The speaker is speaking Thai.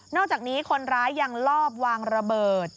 อกจากนี้คนร้ายยังลอบวางระเบิด